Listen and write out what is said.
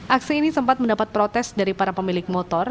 aksi ini sempat mendapat protes dari para pemilik motor